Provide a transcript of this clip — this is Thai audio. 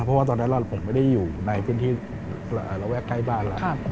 เพราะว่าตอนนั้นผมไม่ได้อยู่ในพื้นที่ระแวกใกล้บ้านแล้ว